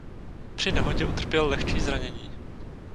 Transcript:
Při nehodě utrpěl lehčí zranění.